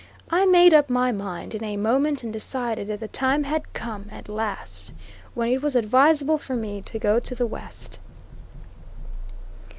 I made up my mind in a moment and decided that the time had come, at last, when it was advisable for me to go to the West.